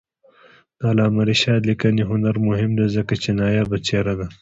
د علامه رشاد لیکنی هنر مهم دی ځکه چې نایابه څېره ده.